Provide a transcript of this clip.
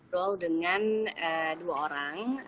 bercampur dengan dua orang